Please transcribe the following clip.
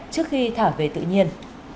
trước khi thả về tự nhiên